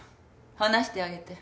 話してあげて。